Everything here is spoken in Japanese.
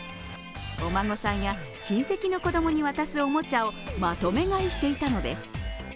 お孫さんや親戚の子供に渡すおもちゃをまとめ買いしていたのです。